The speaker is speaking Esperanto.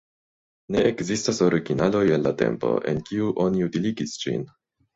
Ne ekzistas originaloj el la tempo, en kiu oni utiligis ĝin.